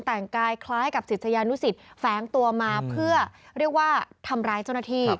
แต่งกายคล้ายกับศิษยานุสิตแฝงตัวมาเพื่อเรียกว่าทำร้ายเจ้าหน้าที่